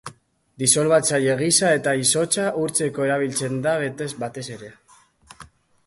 Disolbatzaile gisa eta izotza urtzeko erabiltzen da batez ere.